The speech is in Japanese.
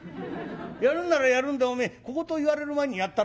やるんならやるんでおめえ小言言われる前にやったらどうだ。